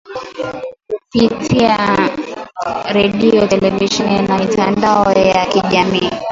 kupitia redio televisheni na mitandao ya kijamii